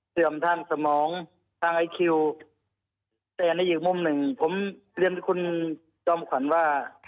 ทางสมองทางไอคิวแต่ในอีกมุมหนึ่งผมเรียนคุณจอมขวัญว่า